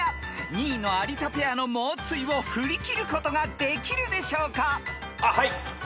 ２位の有田ペアの猛追を振り切ることができるでしょうか？］